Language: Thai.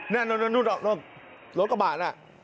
นั่นนั่นนั่นรถกระบะน่ะ